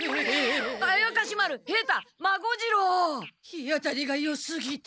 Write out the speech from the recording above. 日当たりがよすぎて。